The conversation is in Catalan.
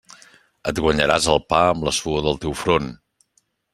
Et guanyaràs el pa amb la suor del teu front!